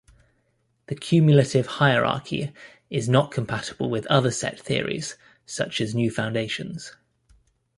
The cumulative hierarchy is not compatible with other set theories such as New Foundations.